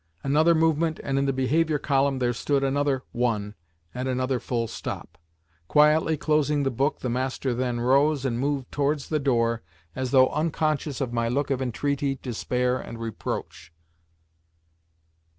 Another movement and in the behaviour column there stood another one and another full stop! Quietly closing the book, the master then rose, and moved towards the door as though unconscious of my look of entreaty, despair, and reproach.